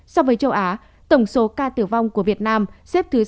so với châu á tổng số ca tử vong của việt nam xếp thứ sáu trên bốn